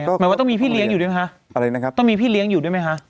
หมายว่าต้องมีพี่เลี้ยงอยู่ด้วยไหมคะอะไรนะครับต้องมีพี่เลี้ยงอยู่ด้วยไหมคะ